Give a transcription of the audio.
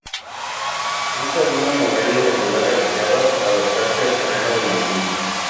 Consta de una muralla irregular alargada para adaptarse al terreno de la cima.